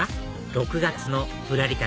６月のぶらり旅